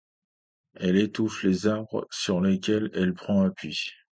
Elle étouffe les arbres sur lesquels elle prend appui.